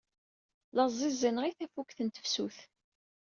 La ẓẓiẓineɣ i tafukt n tefsut.